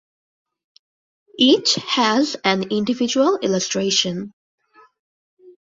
Each has an individual illustration.